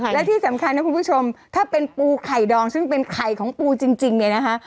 และที่สำคัญนะคุณผู้ชมถ้าเป็นปูไข่ดองซึ่งเป็นไข่ของปูจริงเนี่ยนะคะ